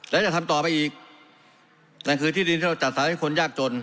และจะทำต่อไปอีกนั่นคือที่ดินที่เราจัดสรรให้คนยากจน